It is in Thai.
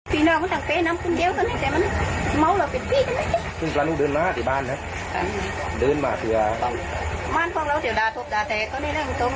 พี่น้องมันต่างเฟ้น้ำคนเดียวกันแต่มันเมาเหล่าเป็นพี่